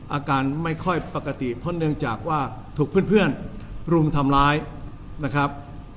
อาการไม่ค่อยปกติเพราะเนื่องจากว่าถูกเพื่อนรุมทำร้ายนะครับ